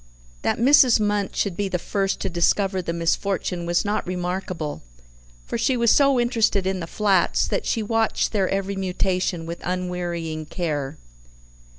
That Mrs. Munt should be the first to discover the misfortune was not remarkable, for she was so interested in the flats, that she watched their every mutation with unwearying care.